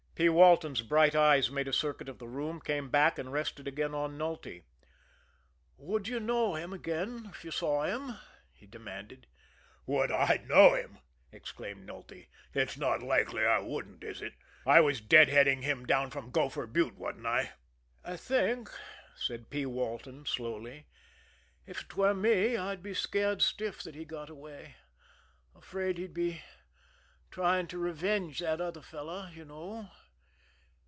P. Walton's bright eyes made a circuit of the room, came back, and rested again on Nulty. "Would you know him again if you saw him?" he demanded. "Would I know him!" exclaimed Nulty. "It's not likely I wouldn't, is it? I was dead heading him down from Gopher Butte, wasn't I?" "I think," said P. Walton slowly, "if it were me I'd be scared stiff that he got away afraid he'd be trying to revenge that other fellow, you know.